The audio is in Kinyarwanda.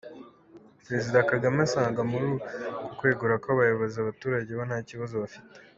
Perezida Kagame asanga muri uku kwegura kw’abayobozi, abaturage bo nta kibazo bafite.